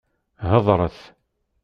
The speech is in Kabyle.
Heḍṛet!